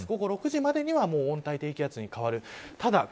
午後６時までには温帯低気圧に変わる。